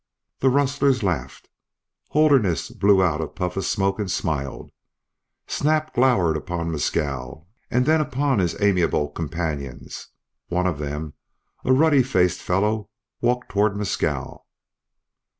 The rustlers laughed. Holderness blew out a puff of smoke and smiled. Snap glowered upon Mescal and then upon his amiable companions. One of them, a ruddy faced fellow, walked toward Mescal.